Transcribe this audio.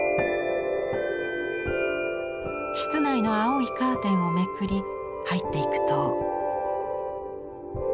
室内の青いカーテンをめくり入っていくと。